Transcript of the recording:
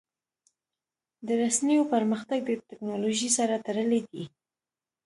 د رسنیو پرمختګ د ټکنالوژۍ سره تړلی دی.